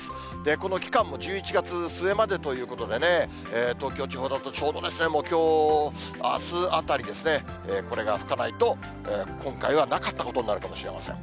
この期間も１１月末までということで、東京だと、ちょうどきょう、あすあたりですね、これが吹かないと、今回はなかったことになるかもしれません。